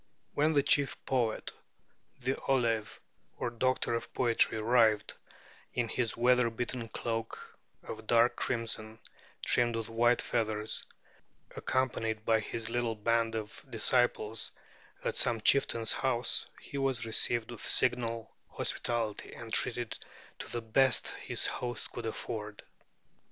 When the chief poet, the ollave, or doctor of poetry, arrived, in his weather beaten cloak of dark crimson trimmed with white feathers, accompanied by his little band of disciples, at some chieftain's house, he was received with signal hospitality and treated to the best his host could afford.